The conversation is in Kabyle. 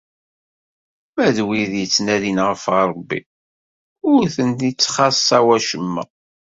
Ma d wid yettnadin ɣef Rebbi, ur ten-ittxaṣṣa wacemma.